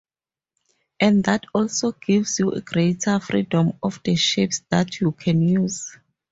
And that also gives you greater freedom of the shapes that you can use.